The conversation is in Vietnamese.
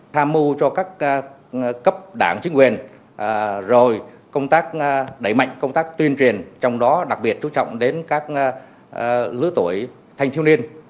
tham mưu cho các cấp đảng chính quyền rồi công tác đẩy mạnh công tác tuyên truyền trong đó đặc biệt chú trọng đến các lứa tuổi thanh thiếu niên